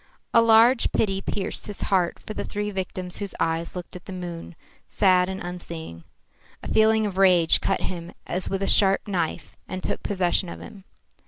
A large pity pierced his heart for the three victims whose eyes looked at the moon, sad and unseeing. A feeling of rage cut him as with a sharp knife and took possession of him.